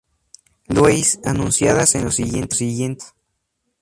Louis anunciadas en los siguientes días.